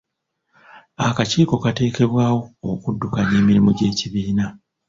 Akakiiko katekebwawo okudukanya emirimu gy'ekibiina.